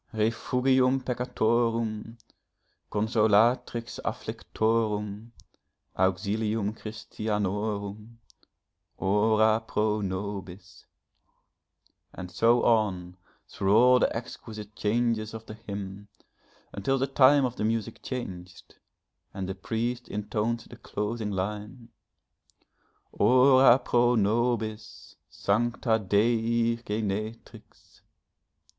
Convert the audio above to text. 'Refugium peccatorum, Consolatrix afflictorum, Auxilium Christianorum, Ora pro nobis!' And so on through all the exquisite changes of the hymn, until the time of the music changed, and the priest intoned the closing line. 'Ora pro nobis, Sancta Dei Genetrix!'